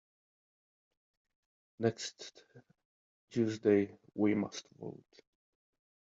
Next Tuesday we must vote.